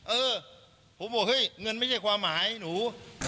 เออผมบอกเฮ้ยเงินไม่ใช่ความหมายหนู